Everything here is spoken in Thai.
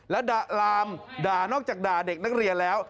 และด่าลามด่านอกจากด่าเด็กนักเรียนแล้ว